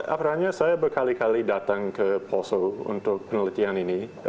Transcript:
apalagi saya berkali kali datang ke poso untuk penelitian ini